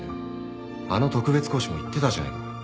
あの特別講師も言ってたじゃねえか。